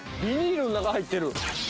ビニールの中入ってる。